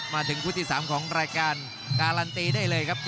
มาถึงคู่ที่๓ของรายการการันตีได้เลยครับ